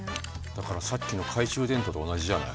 だからさっきの懐中電灯と同じじゃない？